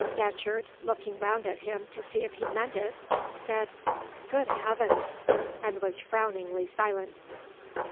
Datcherd, looking round at him to see if he meant it, said, "Good heavens!" and was frowningly silent.